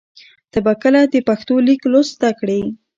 ته به کله د پښتو لیک لوست زده کړې؟